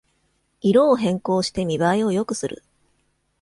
色を変更して見ばえを良くする